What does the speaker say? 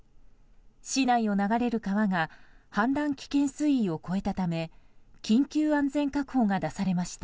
市内を流れる川が氾濫危険水位を超えたため緊急安全確保が出されました。